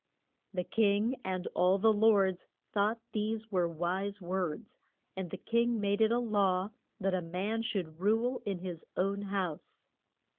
The king and all the lords thought these were wise words. And the king made it a law that a man should rule in his own house.